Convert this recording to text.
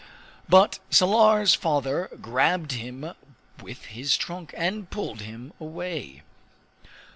But Salar's father grabbed him with his trunk, and pulled him away.